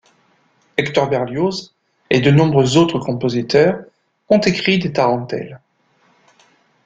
Hector Berlioz, et de nombreux autres compositeurs ont écrit des tarentelles.